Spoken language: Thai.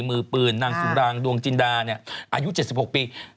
มือปืนนางสุรางดวงจินดาอายุ๗๖ปี